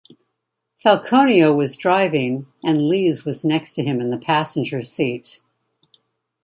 Falconio was driving and Lees was next to him in the passenger seat.